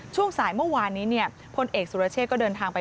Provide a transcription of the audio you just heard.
ช่วงสายเมื่อวานนี้เนี่ยพลเอกสุรเชษฐก็เดินทางไป